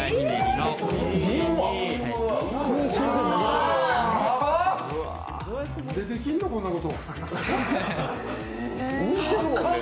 何でできるの、こんなこと。